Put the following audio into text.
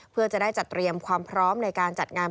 เพื่อจะได้จัดเตรียมความพร้อมในการจัดงาน